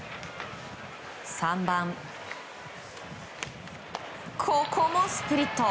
３番、ここもスプリット。